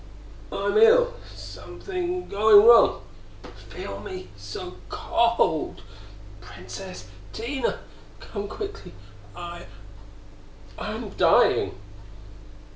"I'm ill. Something going wrong. Feel me so cold. Princess! Tina! Come quickly! I I am dying!"